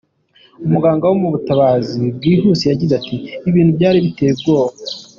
Umuganga wo mu butabazi bwihuse yagize ati “ Ibintu byari biteye ubwoba.